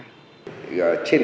trên môi trường